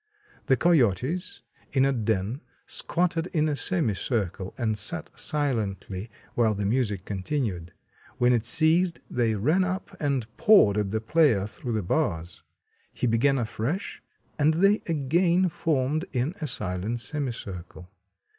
"The coyotes, in a den, squatted in a semi circle and sat silently while the music continued. When it ceased they ran up and pawed at the player through the bars. He began afresh, and they again formed in a silent semi circle.